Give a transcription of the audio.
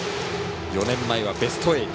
４年前はベスト８。